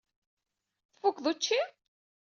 Tfukeḍ učči?